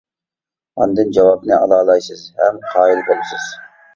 ئاندىن جاۋابىنى ئالالايسىز ھەم قايىل بولىسىز.